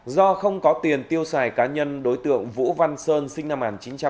do không có tiền tiêu xài cá nhân đối tượng vũ văn sơn sinh năm một nghìn chín trăm tám mươi